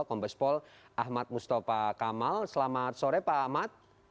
kombes pol ahmad mustafa kamal selamat sore pak ahmad